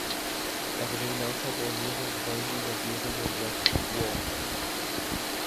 Darüber hinaus hatte er mehrere Rollen in der Serie Red Dwarf.